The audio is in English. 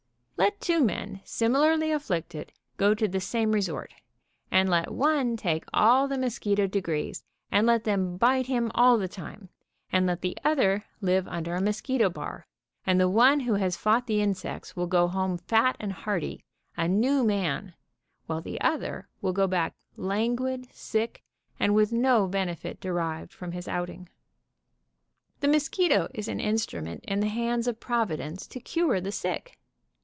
Let two men similarly af flicted, go to the same resort, and let one take all the mosquito degrees, and let them bite him all the time, and let the other live under a mosquito bar, and the one who has fought the insects will go home fat and hearty, a new man, while the other will go back lan guid, sick and with no benefit derived from his outing. Let him meet the mosquitoes on their own ground. 130 THE OUTING AND THE MOSQUITO The mosquito is an instrument in the hands of Provi dence to cure the sick.